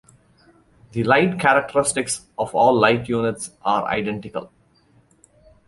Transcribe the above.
The light characteristics of all light units are identical.